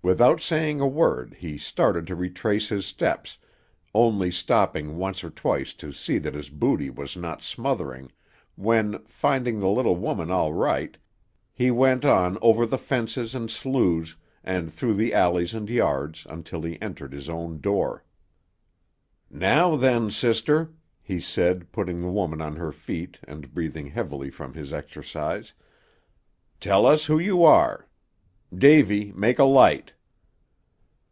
Without saying a word, he started to retrace his steps, only stopping once or twice to see that his booty was not smothering, when, finding the little woman all right, he went on over the fences and sloughs, and through the alleys and yards, until he entered his own door. "Now then, sister," he said, putting the woman on her feet, and breathing heavily from his exercise, "Tell us who you are. Davy, make a light."